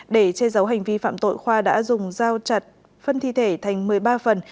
để che giấu hành vi phạm tội khoa đã dùng dao chặt phân thi thể thành một mươi ba phần